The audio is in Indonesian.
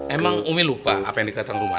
emang umi lupa apa yang dikatakan lu mak